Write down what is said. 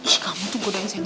ih kamu tuh bodohin saya terus